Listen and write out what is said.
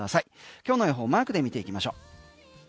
今日の予報マークで見ていきましょう。